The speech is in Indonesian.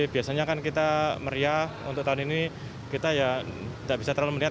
biasanya kan kita meriah untuk tahun ini kita ya tidak bisa terlalu melihat